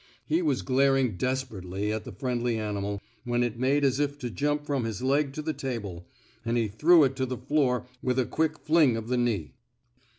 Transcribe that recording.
He was glaring desperately at the friendly animal, when it made as if to jump from his leg to the table, and he threw it to the floor with a quick fling of the knee.